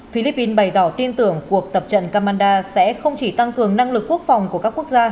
philippines bày tỏ tin tưởng cuộc tập trận kamanda sẽ không chỉ tăng cường năng lực quốc phòng của các quốc gia